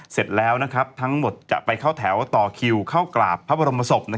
เสร็จแล้วทั้งหมดจะไปเข้าแถวต่อคิวเข้ากราบพระบรมศพ